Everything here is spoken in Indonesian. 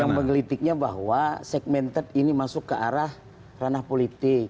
yang menggelitiknya bahwa segmented ini masuk ke arah ranah politik